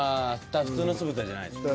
普通の酢豚じゃないですもんね。